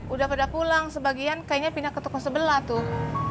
udah pada pulang sebagian kayaknya pindah ke toko sebelah tuh